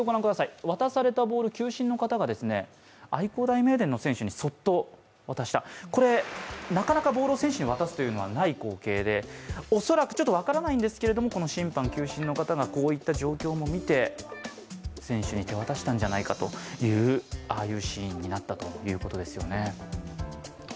渡されたボール、球審の方が愛工大名電の選手にそっと渡した、これ、なかなかボールを選手に渡すという光景はなくて恐らく、分からないんですけども、審判、球審の方がこういった状況も見て、選手に手渡したんじゃないかというシーンになったということですよね。